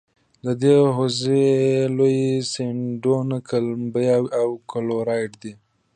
د دې حوزې لوی سیندونه کلمبیا او کلورادو دي.